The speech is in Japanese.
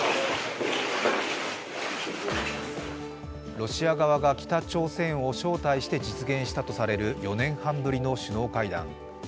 ロシア側が北朝鮮を招待して実現したとされる４年半ぶりの首脳会談。